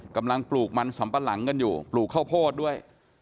ปลูกมันสำปะหลังกันอยู่ปลูกข้าวโพดด้วย